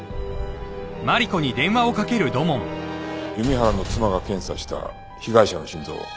弓原の妻が検査した被害者の心臓。